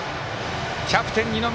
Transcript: キャプテン、二宮